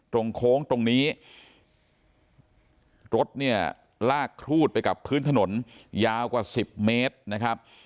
โค้งตรงนี้รถเนี่ยลากครูดไปกับพื้นถนนยาวกว่า๑๐เมตรนะครับ